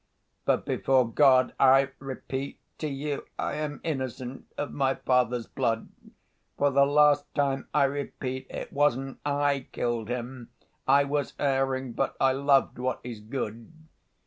But, before God, I repeat to you, I am innocent of my father's blood! For the last time I repeat, it wasn't I killed him! I was erring, but I loved what is good.